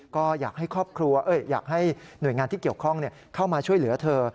ก็อยากให้หน่วยงานที่เกี่ยวข้องเข้ามาช่วยเหลือเธอ